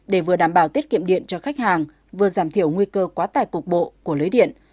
để vừa đảm bảo tiết kiệm điện cho khách hàng vừa giảm thiểu nguy cơ quá tải cục bộ của lưới điện